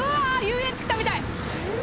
遊園地来たみたい！